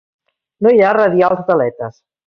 No hi ha radials d'aletes.